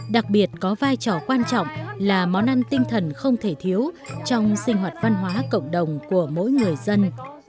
đặc biệt có vai trò quan trọng là món ăn tinh thần không thể thiếu trong sinh hoạt văn hóa cộng đồng của mỗi người dân